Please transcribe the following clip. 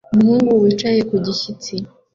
Umuhungu wicaye ku gishyitsi